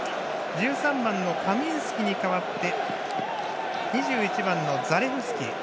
１３番、カミンスキに代わって２１番のザレフスキ。